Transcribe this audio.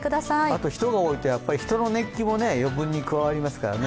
あと人が多いと、人の熱気も余分に加わりますからね。